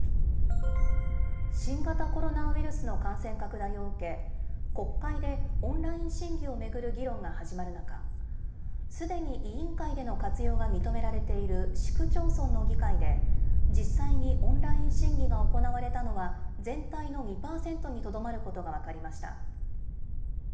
新型コロナウイルスの感染拡大を受け、国会でオンライン審議を巡る議論が始まる中、すでに委員会での活用が認められている市区町村の議会で、実際にオンライン審議が行われたのは全体の２％にとどまることが分かりました。